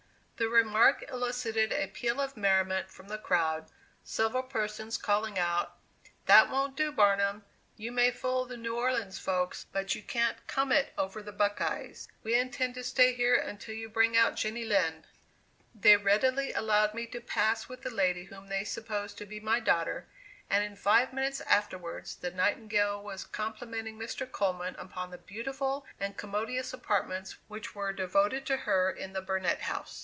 The remark elicited a peal of merriment from the crowd, several persons calling out, "That won't do, Barnum! you may fool the New Orleans folks, but you can't come it over the 'Buckeyes.' We intend to stay here until you bring out Jenny Lind!" They readily allowed me to pass with the lady whom they supposed to be my daughter, and in five minutes afterwards the Nightingale was complimenting Mr. Coleman upon the beautiful and commodious apartments which were devoted to her in the Burnett House.